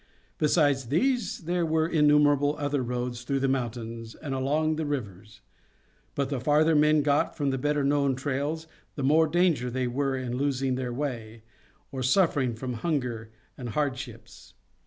Besides these there were innumerable other roads through the mountains, and along the rivers; but the farther men got from the better known trails the more danger they were in of losing their way, or suffering from hunger and hardships.